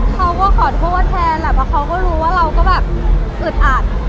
เขาก็ขอโทษแทนแหละเพราะเขาก็รู้ว่าเราก็แบบอึดอัด